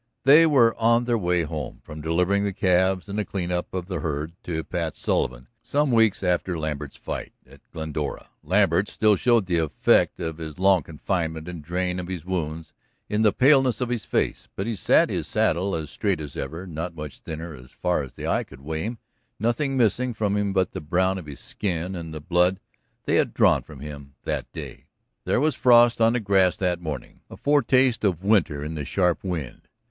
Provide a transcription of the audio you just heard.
They were on their way home from delivering the calves and the clean up of the herd to Pat Sullivan, some weeks after Lambert's fight at Glendora. Lambert still showed the effects of his long confinement and drain of his wounds in the paleness of his face. But he sat his saddle as straight as ever, not much thinner, as far as the eye could weigh him, nothing missing from him but the brown of his skin and the blood they had drawn from him that day. There was frost on the grass that morning, a foretaste of winter in the sharp wind.